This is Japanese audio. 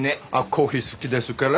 コーヒー好きですから。